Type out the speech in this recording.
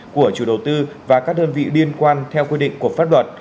của chủ đầu tư và các đơn vị liên quan theo quy định của pháp luật